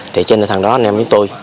thế nên thằng đó anh em với tôi